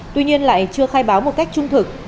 tuy nhiên lại chưa khai báo một cách trung thực